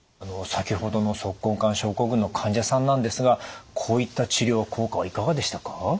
先ほどの足根管症候群の患者さんなんですがこういった治療効果はいかがでしたか？